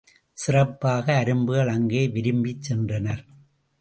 சிறப்பாக அரும்புகள் அங்கே விரும்பிச் சென்றனர்.